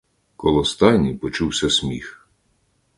Коло стайні почувся сміх.